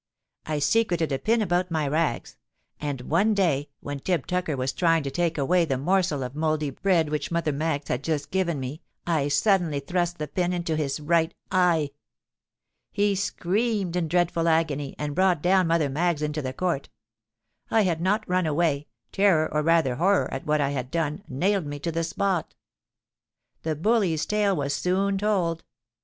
I secreted a pin about my rags; and one day when Tib Tucker was trying to take away the morsel of mouldy bread which Mother Maggs had just given me, I suddenly thrust the pin into his right eye. He screamed in dreadful agony, and brought down Mother Maggs into the court. I had not run away—terror, or rather horror at what I had done, nailed me to the spot. The bully's tale was soon told.